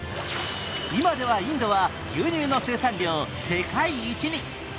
今ではインドは、牛乳の生産量世界一に。